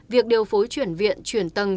việc điều phối chuyển viện chuyển tầng